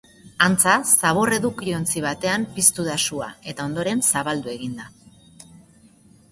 Antza, zabor-edukiontzi batean piztu da sua eta ondoren zabaldu egin da.